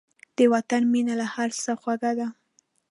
د وطن مینه له هر څه خوږه ده.